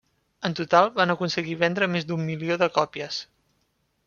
En total, van aconseguir vendre més d'un milió de còpies.